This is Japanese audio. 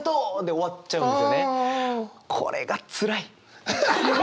これがつらい。